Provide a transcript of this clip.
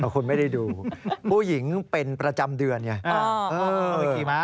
คุณไม่ได้ดูผู้หญิงเป็นประจำเดือนไง